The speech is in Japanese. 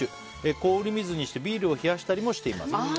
氷水でビールを冷やしたりもしています。